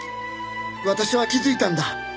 「私は気づいたんだ」